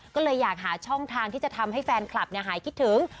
ก็เลยอยากหาช่องทางที่จะทำให้แฟนคลับหายคิดถึง